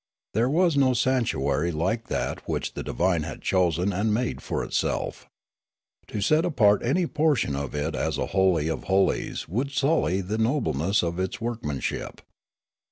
There was no sanctuary like that which the divine had chosen and made for itself. To set apart an}' portion of it as a holy of holies would sully the nobleness of its workmanship.